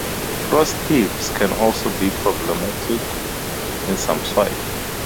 Frost heaves can also be problematic in some soil.